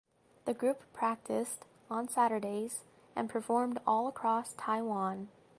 The group practiced on Saturdays and performed all across Taiwan.